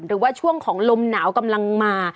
หรือว่าช่วงของลมหนาวกำลังมา